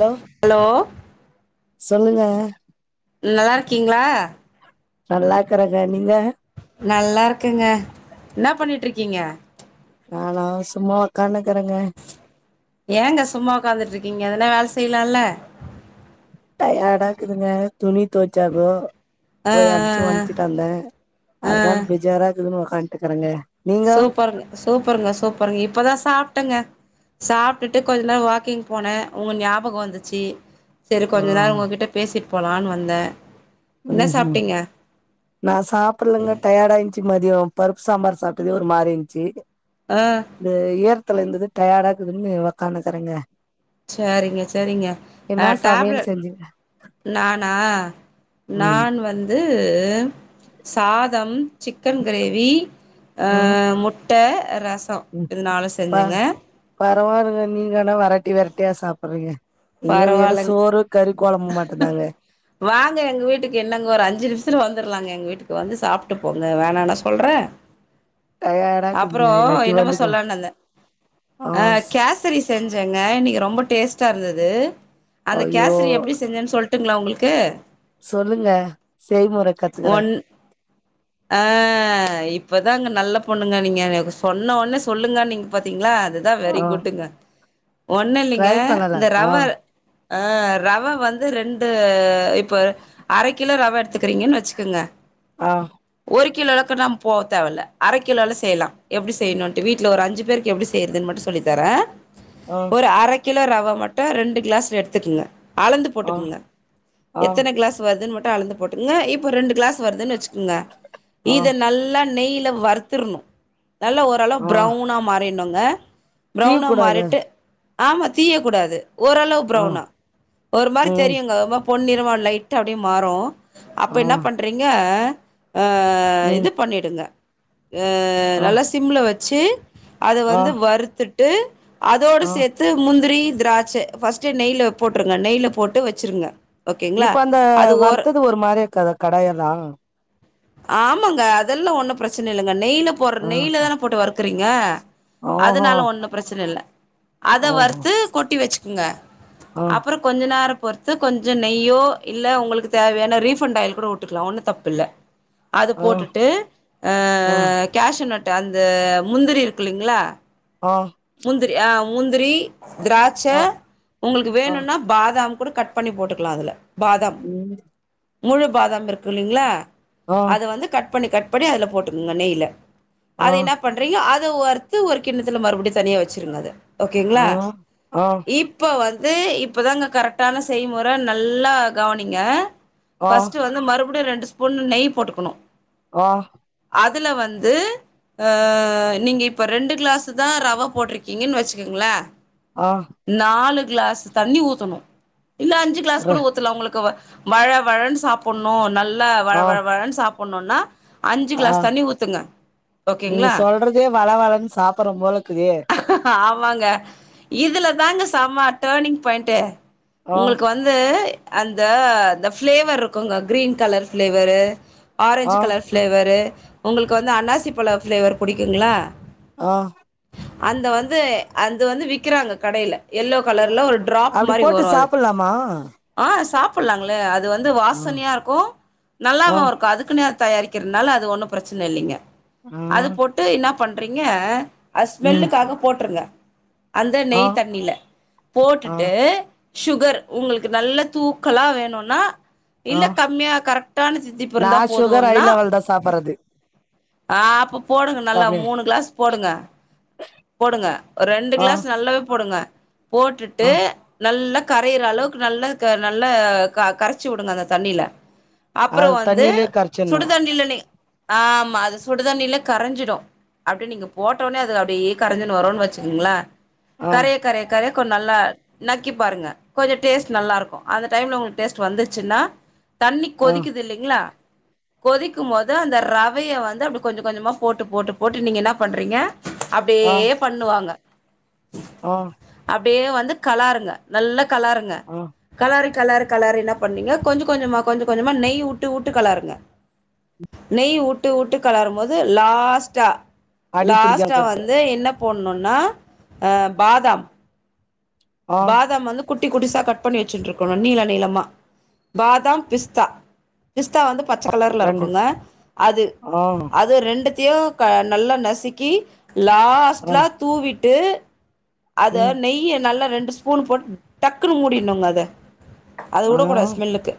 hello hello சொல்லுங்க நல்லா இருக்கீங்ளா நல்லா இருக்கறங்க நீங்க நல்லா இருக்கங்க என்னா பண்ணிட்டு இருக்கீங்க நானா சும்மா உக்காந்துக்கறேங்க ஏங்க சும்மா உக்காந்துட்டு இருக்கீங்க எதனா வேல செய்லால டயடாக்குதுங்க துணி துவச்சாக்கோ ஆ போயி அழிச்சு வாண்த்திட்டு வந்தே ஆ ஆ அதனால பெஜாரா இருக்குதுன் உக்கான்ட்டுக்கறங்க சூப்பர் சூப்பருங்க சூப்பருங்க இப்பதா சாப்ட்டங்க சாப்ட்டுட்டு கொஞ்சநேர வாக்கிங் போனே உங்க ஞாபகொ வந்துச்சி செரி ஆ கொஞ்ச நேரொ ஒங்ககிட்ட பேசிட்டு போலான்னு வந்தே என்ன ம்ஹும் சாப்ட்டீங்க நா சாப்டலங்க டயடாயி ச்சி மதியொ பருப்பு சாம்பாரு சாப்ட்டதே ஒரு மாரி இந்ச்சி ஆ இந்த ஈரத்தல இருந்தது டயடாக்குதுன்னு ஒக்காதுகிறங்க சேரிங்க சேரிங்க ஆ டேப்லெ சமையல் செஞ்சீங்க நானா ம் நான் வந்து சாதம் சிக்கன் கிரேவி அ ம் முட்ட ரஸ் ச இது நாலூ செஞ்சங்க பரவால்ங்க நீங்கனா வெரைட்டி வெரைட்டியா சாப்படுறீங்க இங்க வெறு பரவால்லங் சோறு கறி கொழம்பு மட்டுந்தாங்க வாங்க எங்க வீட்டுக்கு என்னங்க ஒரு அஞ்சு நிமிஷத்ல வந்துடுலாங்க எங்க வீட்டுக் வந்து சாப்ட்டு போங்க வேணானா சொல்றே டயர்டா அப்றோ இருக்குதுங்க இல்லாட்டி என்னமோ வந்துக்க சொல்லனுன் வந்தே ஆ கேஸ ரி செஞ்சங்க இன்னக்கி ரொம்ப டேஸ்ட்டாருந்தது அந்த ஐயோ கேசரி எப்டி செஞ்சன்னு சொல் ட்டுங்ளா ஒங்ளுக்கு சொல்லுங்க செய்முற கத்துக்றே ஒன் ஆ இப்பதாங்க நல்ல பொண்ணுங்க நீங்க சொன்னோனே சொல்லுங்கன்னீங்க பாத்தீங்ளா அது அதா வெரி ஆ குட்டுங்க ஒன்னுல்லிங்க ட்ரை பண்ணல ஆ ஆ ரவ வந்து ரெண்டு இப்போ அரை கிலோ ரவ எடுத்துக்றீங்கனு வெச்சுக்கங்க ஆ ஒரு கிலோ அளவுக்கு நாம போ தேவல அர கிலோலே செய்லா எப்டி செய்ணுன்ட்டு வீட்ல ஒரு அஞ்சு பேருக்கு எப்டி செ ய்றிதுனு மட்டு சொல்லித்தர ஆ அரை கிலோ ரவ மட்டு ரெண்டு கிளாஸ்ல எடுத்துக்ங்க அளந்து ஆ போட்டுக்ங்க ஆ எத்தன கிளாஸ் வருதுன்னு மட்டு அளந்து போட்டுங்க இப்ப ரெண்டு கிளாஸ் வருதுன் வெச் சுகுங்க ஆ இத நல்லா நெய்யில வறுத்துர்னூ நல்லா வறு நல்ல ஆ பவுனா மாறினுங்க தீவ பிரவுனா கூடாது மாறிட்டு ஆமா தீயக்கூடாது ஓரளவு ஆ ப்ரௌனா ஒரு மாரி ம் தெரியுங்க பொன்னிறமா லைட்டா அப்டியே மாறு அப்ப ஆ என்னா பண்றீங்க அ இது ம் பண்ணிடுங்க அ ஆ நல்லா சிம்ல வெச்சு அத ஆ வந்து வறுத்துட்டு அதோடு ஆ சேத்து முந்திரி திராட்ச ஃபர்ஸ்ட்டு நெய்ல போட்டுருங்க நெய்ல போட்டு வெச்சுருங்க இப்ப அந்த வற்த்தது ஒரு மாரி இருக்காதா கடாயல்லா ஆமாங்க அதெல்லா ஒன்னு ப்ரச்சன இல்லங்க நெய்யில போற ஆ நெய்ல தானே போட்டு வற்க்குறீங்க ஓஹோ அதனால ஒன்னு ப்ரச்சன இல்ல அத ஓஹோ வறுத்து கொட்டி வெச்சுக்கங்க ஆ அப்றோ கொஞ்ச நேரொ பொறுத்து கொஞ்ச நெய்யோ இல்ல உங்களுக்கு தேவையான ரீஃபண்ட் ஆயில் கூட உட்டுக்லா ஒன்னு தப்புல்ல அது ஆ போட்டுட்டு ஆ அ கேஷூ நட்டு அந்த முந்திரி இருக்குல்லிங்ளா ஆ முந்திரி அ முந்திரி திராட்ச ஆ உங்களுக்கு ஆ வேணுனா பாதாம் கூட கட் பண்ணி போட்டுக்லா அதுல பாதாம் ம் முழு பாதாம் இருக்குல்லைங்ளா ஆ அத வந்து கட் பண்ணி கட் பண்ணி அதுல போட்டுக்குங்க நெய்ல ஆ அது என்ன பண்றீங்கோ அத வறுத்து ஒரு கிண்ணத்துல மறுபடியு தனியா வச்சிருங்க அத ஆ ஓகேங்ளா ஆ இப் இப்போ வந்து இப்பதாங்க கரெக்டான செய்மொற நல்லா கவனிங்க ஆ ஃபர்ஸ்ட்டு வந்து மறுபடியு ரெண்டு ஸ்பூனு நெய் போட்டுக்னு ஆ அதுல வந்து அ நீங்க இப்போ ரெண்டு கிளாஸ்ஸு தா ரவ போட்ருக்கீங்கன் வச்சுக்கங்ள ஆ நாலு கிளாஸ் தண்ணி ஊத்தனு இல்ல அஞ்சி கிளாஸ் ர கூட ஊத்தலா உங்களுக்கு வ வழ வழன் சாப்புண்ணோ நல்லா வழ ஆ வழ வழன் சாப்புண்ணோன்னா அஞ்சு ஆ கிளாஸ் தண்ணி ஊத்துங்க ஓகேங்ளா இதே வழ வழன் சாப்புறும் போலக்குதே ஆமாங்க இதுல தாங்க சம டர்னிங் பாயிண்ட்டு ஆ உங்களுக்கு வந் து அந்த த ஃப்ளேவர் இருக்குங்க கிரீன் கலர் ஃப்ளேவரு ஆரஞ்ச் ஆ கலர் ஃப்ளேவரு உங்களுக் வந்து அன்னாசி பழோ ஃப்ளேவர் புடிக்குங்ளா ஆ அந்த வந்து அந்து வந்து விக்கிறாங்க கடைல எல்லோ கலர்ல ஒரு ட்ராப் அப்டி மாரி போட்டு வரு அது சாப்புல்லாமா அ சாப்புல்லாங்ளே அது வந்து ஆ வாசனையா இருக்கு ஆ நல்லாவோ இருக்கு அதுக்குன்னு தயாரிக்கறனால அது ஒன்னு பிரச்சன இல்லங்க ஆ அது போட்டு என்னா பண்றீங்க அ ம் ஸ்மெல்லுக்காக போட்ருங்க அந்த ஆ நெய் தண்ணில ஆ போட்டுட்டு ஷுகர் உங்களுக்கு நல்ல தூக்களா வேணுன்னா ஆ இல்ல கம்மியா கரெக்டான தித்திப்பு நா இருந்தா சுகர் ஐ போதுன்னா லெவல் தா சாப்பறது அ அப்போ போடுங்க நல்லா கம்மி மூணு கிளாஸ் போடுங்க போடுங்க ஒரு ரெண்டு ஆ கிளாஸ் நல்லாவே போடுங்க போட்டுட்டு ஆ நல்லா கரையிற அளவுக்கு நல்லா க நல்லா க கரச்சி உடுங்க அந்த தண்ணில அப்றோ அது வந்து தண்ணிலே கரச்சிட்ணு சுடுதண்ணில நீ ஆமா அது சுடதண்ணிலே கரஞ்சிடு அப்டியே நீங்க போட்டவொன்னே அது அப்டியே கரஞ்சின் வருன் வச்சுக்கங்ள ஆ கரய கரய கரய கொ நல்லா நக்கி பாருங்க கொஞ்சோ டேஸ்ட் நல்லா இருக்கு அந்த டைம்ல உங்ளுக் டேஸ்ட் வந்துச்சுன்னா தண்ணி ஆ கொதிக்கிது இல்லைங்ளா கொதிக்கும் போது அந்த ரவைய வந்து அப்டி கொஞ்ச கொஞ்சமா போட்டு போட்டு போட்டு நீங்க என்னா பண்றீங்க ஆ அப்டியே பண்ணுவாங்க ஆ அப்டியே வந்து கெளாருங்க நல்ல கெளாருங்க ஆ கெளாறி கெளாறி கெளாறி என்ன பண்ணீங்க கொஞ்ச கொஞ்சமா கொஞ்ச கொஞ்சமா நெய் உட்டு உட்டு கெளறுங்க நெய் உட்டு உட்டு கெளாறும் போது லாஸ்ட்டா அடி புடிக்காம லாஸ்ட்டா கரச்சு வந்து என்ன போன்னுன்னா அ பாதாம் ஆ பாதாம் வந்து குட்டி குட்டிசா கட் பண்ணி வச்சுட்டுருக்கனு நீள நீளமா பாதாம் பிஸ்தா பிஸ்தா வந்து பச்ச கலர்ல ரெண்டு இருக்குங்க அது ஆ அது ரெண்டு த்தையோ க நல்லா நசுக்கி ஆ லாஸ்ட்லா தூவிட்டு அத ம் நெய்ய நல்லா ரெண்டு ஸ்பூன் போட்டு டக்குன்னு மூடினுங்க அத ஆ அதவுடக் கூடா ஸ்மெல்லுக்கு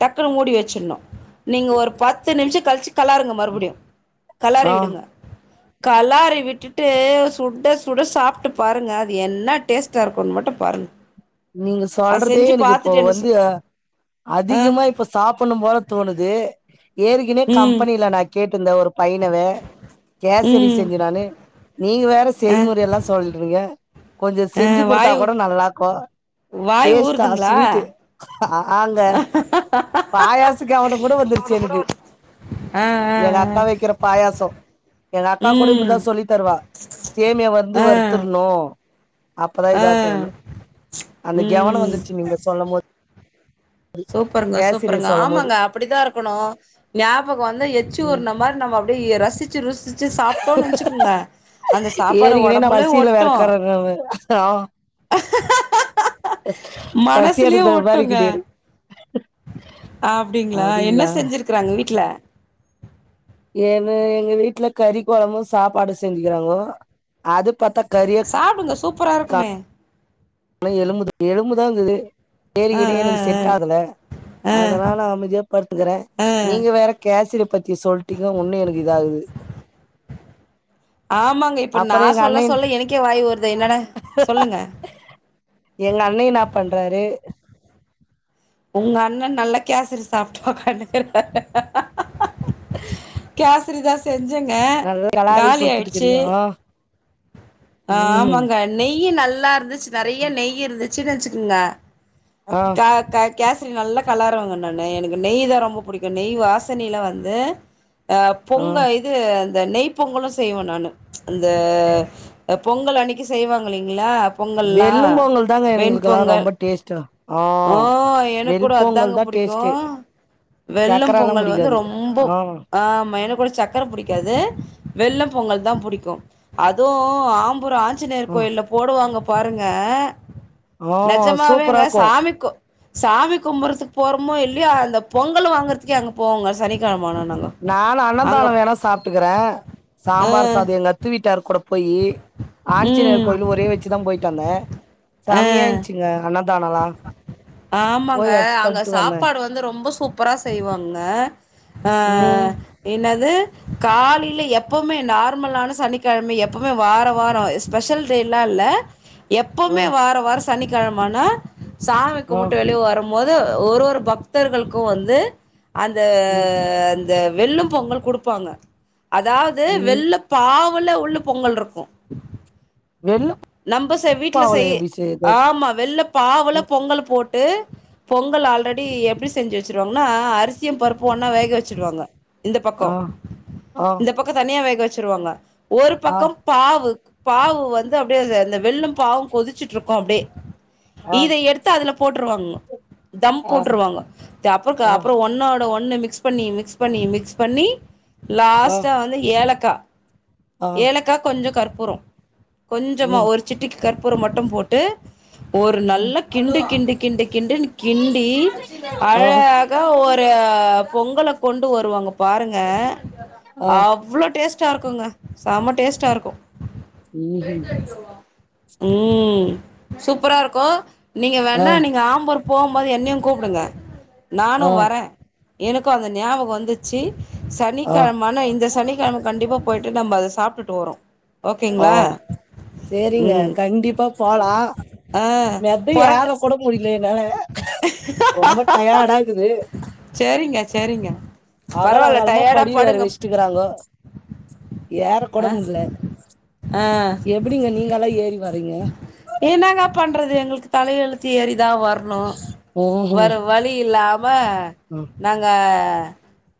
டக்குன்னு மூடி வெட்ச்சிண்ணோ நீங்க ஒரு பத்து நிமிஷோ கழிச்சி கலாருங்க மறுபடியோ கலாறி ஆ விடுங்க கலாறி விட்டுட்டு சுட சுட சாப்ட்டு பாருங்க அது என்ன டேஸ்ட்டா இருக்கோனு மட்டோ பாருங் நீங்க சொல்றதே எனக்கு இப்போ வந்து ஆ அதிகமா இ ப்ப சாப்பண்ணோ போல தோணுது ஏற்கனே ம் கம்பெனில நா கேட்டுந்த ஒரு பையனவே கேசரி ம் செய்ங்கடானு நீங்க வேற ஆ செய்மொற எல்லா சொல்றீங்க கொஞ்சோ ஆ செஞ்சி குடுத்தா வாய் கூட நல்லா இருக்கோ வாய் டேஸ்ட்டா ஊறுதுங்களா ஸ்வீட்டு அ ஆங்க ஆ பாயாசு கவனங்கூட வந்துருச்சு எனக்கு ஆ எங்க அக்கா ஆ வக்கிற பாயசோ எங்க அக்கா கூட இப்டித்தா ம் சொல்லி தருவா சேமிய வந்து ஆ வருத்ருனு அப்பதா ஆ இத ஆக்குணுன் அந்த கெவன ம் வந்துச்சி நீங்க சொல்லு போது சூப்பர்ங்க கேசரிய சூப்பர்ங்க சொல்லும் போது ஆமாங்க அப்டிதா இருகுணு ஞாபக வந்த எச்சி ம் ஊர்ன மாரி நம்ம அப்டியே ரசிச்சி ருசிச் ச்சு சாப்டோன் வச்சுகுங்க அந்த சாப்பாடு ஏற்கனவே நா ஒடம்புலயு பசியில வேற ஒட்டு இருக்கறே நானு பசி மனசுலயு எடுக்கிற மாரி ஒட்டுங்க இருக்குது [inaudible] அப்டிங்களா என்ன செஞ்சிருகராங்க வீட்ல ஏனு எங்க வீட்டுல கறி கொழம்பு சாப்பாடு செஞ்சிக்கிறாங்கோ அது பாத்தா கறி சாப்டுங்க சூப்பரா இருகுமே அத எலும்புத எலும்புதா இருங் ஆ ஆ குது [unintelligible] ஆ செட் ஆகல ஆ அதனால அமைதியா படுத்துகறே ஆ நீங்க வேற கேசரி பத் தி சொல்லிடிங்க ஒன்னு எனக் இதாகுது ஆமாங்க இப்போ நா அப்பறோ எங்க சொல்ல அண்ணே சொல்ல எனகே வாய் ஊருதே என்னன்ன சொல்லுங்க எங்க அண்ணே எனா பண்றாரு உங்க அண்ணே நல்லா கேசரி சாப்ட்டு ஒக்காந்துகிறாரு சேசரி தா செஞ்சங்க நல்லா கெலாரி காலி ஆய்டிச்சு குடுத்துட்டுக்கிறீங்க ஆ ஆ ம் ஆமாங்க நெய் நல்லா இருந்துச்சி நெறைய நெய் இருந்துச்ன்னு வச்சிகோங்க ஆ க கட் கேசரி நல்லா கலரவங்க நானு எனக் நெய் தா ரொம்ப புடிக்கு நெய் வாசனில வந்து ஆ பொங்கல் இது அந்த நெய் பொங்கலு செய்வே நானு அந்த பொங்கல் அன்னக்கி செய்வாங்க இலைங்களா பொங்கல்லா வெள்ளும்பொங்கல் தாங்க வெண் எங்களுக்கெல்லா பொங்கல் ரொம்ப டேஸ்ட்டு ஆ ஓ எனுக் கூட அதாங்க வெள்பொங்கல் தா புடிக் டேஸ்ட்டு புடிகு வெள்ளம் சக்கரல்லா பொங்கல் வந்து புடிக்காது ரொம்போ ஆ ஆமா எனக் கூட சக்கர புடிகாது வெல்லம்பொங்கல் தா புடிகு அது ஆம்பு ரொ ஆஞ்சநேயர் ஆ கோயில போடுவாங்க பாருங்க ஆ நெஜமாவேங்க சூப்பரா இருக்கு சாமிக்கு சாமி கும்பறதுகு போறமோ இல்லையோ அந்த பொங்கல் வாங்குறதுகே அங்கே போவங்க சனிகிழம ஆனா நாங்கோ நான அன்னதான வேணா சாப்டுகிறே சாம்பார் அ சாத எங்க அத்த வீட்டாரு கூட போயி ஆஞ்சிநேயர் கோயில் ம் ஒரே வச்சிதா போயிட்டு வந்த செம்யா இருஞ்ச்சிங்க ஆனா ஆமாங்க அடிச்சு அங்க தள்ட்டு வந்தே சாப்பாடு வ இந்து ரொம்ப சூப்பரா செய்வாங்க அ ம் என்னது காலைல எப்போமே நார்மலான சனிக்கெழம எப்போமே வாரோ வாரோ இஸ் ஸ்பெஷல் டேலா இல்ல எப்போமே ம் வாரோ வாரோ சனிகெழமானா சாமி ஆ கும்பிட்டு வெளிய வரும்மோது ஒரு ஒரு பக்தர்களுக்கு வந்து அந்த ம் அந்த வெல்லம் பொங்கல் குடுப்பாங்க அதாவ்து ம் வெல்லப் பாவுல உள்ளப் பொங்கல் ருக்கு வெள்ள நம்மசே வீட்ல பாவல செய் எப்டி செய்றது ஆமா வெல்லப் பாவலப் பொங்கலு போட்டு பொங்கலு ஆல்ரெடி எப்டி செஞ்சி வெச்சிருவாங்னா அரிசியும் பருப்பு ஒன்னா வேக வெச்சிடுவாங்க இந்தப் பக்கோ ஆ ஆ இந்தப் பக்கோ தனியா வேக வெச்சிருவாங்க ஒரு ஆ பக்கம் பாவுக் பாவு வந்து அப்டியே அத அந்த வெள்ளும் பாவும் கொதிச்சிட்ருகோ அப்டியே ஆ ஈத எடுத்து அதலப் போட்ருவாங்கோ தம் ஆ போட்ருவாங்கோ இது அப்பறோ க ஆ அப்பறோ ஒன்னோட ஒன் னு மிக்ஸ் பண்ணி மிக்ஸ் பண்ணி மிக்ஸ் பண்ணி ஆ லாஸ்ட்டா வந்து ஏலக்கா ஆ ஏலக்கா கொஞ்ச கற்பூரோ கொஞ்சமா ம் ஒரு சிட்டிக கற்பூரம் மட்டும் போட்டு ஒரு ம் நல்லாக் கிண்டு கிண்டு கிண்டு கிண்டுனு கிண்டி ஆ அழக் கா ஒரு பொங்கல கொண்டு வருவாங்க பாருங்க ஆ அவ்ளோ டேஸ்ட் ஸ்டா இருக்குங்க செம்ம டேஸ்டாருக்கு ம்ஹும் ம் சூப்பரா இருக்கு நீங்க ஆ வேண்ணா நீங்க ஆம்பருப் போம்போது என்னியுங் கூப்டுங்க நானு ஆ வரே எனக்கு அந்த ஞாபகோ வந்துச்சி ஆ சனிக்கெழம ஆனா இந்த சனிக்கெழம கண்டிப்பா போயிட்டு நம்ப அத சாப்டுட்டு வரோ ஓ ஓகேங்களா சேரிங்க ம் கண்டிப்பா போலா ஆ மெத்த பொரட் ஏறக் கூட முடில என்னால ரொம்ப டயேடா இகுது சேரிங்க சேரிங்க பரவால்ல டயேடாப் படுங்க திகறாங்கோ ஏறக் கூட ஆ முல்ல ஆ எப்டிங்க நீங்களா ஏறி வரீங்க என்னாங்காப் பண்றது எங்ளுக்கு தலையெழுத்து ஏறிதா வர்ணு வேற ம்ஹும் வழி இல்லாம நாங்க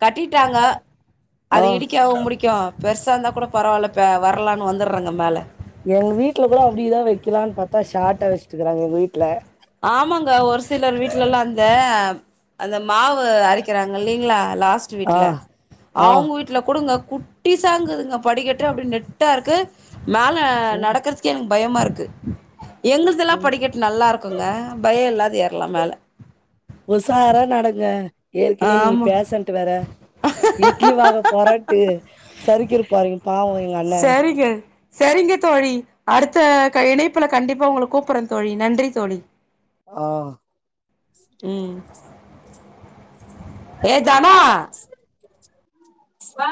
கட்டிட்டாங்க ஆ அது இடிக்கவா முடிக்கு பெருசாந்தாக் கூடப் பரவால்ல பே வர்லான் வந்தர்றங்க மேல எங் வீட்ல கூட அப்டிதா வெக்கிலான் பாத்தா ஷாட்டா வெச்ட்டுகறாங்க எங்க வீட்ல ஆமாங்க ஒரு சிலர் வீட்டு த அந்த மாவு அரைக்கிறாங்க இல்லீங்ளா லாஸ்ட்டு ஆ வீட்ல ஆ அவுங்க வீட் ட்ல குடுங்க குட்டிசாங்குதுங்கப் படிக்கட்டு அப்டி நெட்டா இருக்கு மேல ம் நடக்கறது கே எனக்கு பயமாருக்கு எங்ளுதெல்லாப் ம் படிக்கட் நல்லாருக்குங்க பய இல்லாது ஏற்லாம் மேல உசாரா நடங்க ஏற்கனே நீங்க ஆமா பேசன்ட்டு வேற இட்லி வாக போறோட்டு சறுக்கிரு போறிங்க பாவோ எங்க அண்ணே சேரிங்க சரிங்க தோழி அடுத்த க இணைப்புல கண்டிப்பா உங்கள கூப்பர்றேந் தோழி நன்றித் தோழி ஆ ம் ஏ தனோ வா